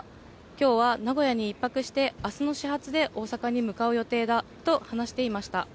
きょうは名古屋に１泊して、あすの始発で大阪に向かう予定だと話していました。